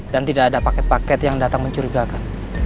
dan tidak ada paket paket yang datang mencurigakan